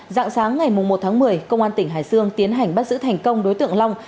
dạng sáng ngày một tháng một mươi công an tỉnh hải dương tiến hành bắt giữ thành công đối tượng long